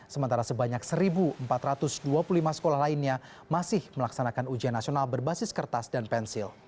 sementara sebanyak satu empat ratus dua puluh lima sekolah lainnya masih melaksanakan ujian nasional berbasis kertas dan pensil